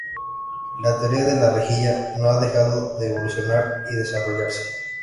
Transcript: La teoría de la rejilla no ha dejado de evolucionar y desarrollarse.